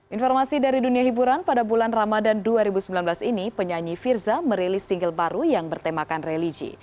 informasi dari dunia hiburan pada bulan ramadan dua ribu sembilan belas ini penyanyi firza merilis single baru yang bertemakan religi